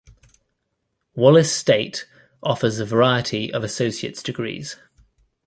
Wallace State offers a variety of associate's degrees.